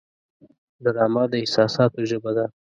ډرامه د احساساتو ژبه ده